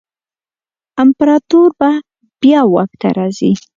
امپراتور به بیا واک ته راځي.